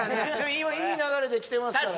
今いい流れできてますからね